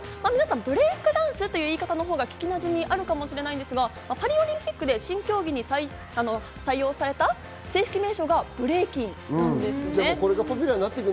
ブレイクダンスという言い方のほうが聞き馴染みあるかもしれないですが、パリオリンピックで新競技に採用された正式名称がブレイキンなんです。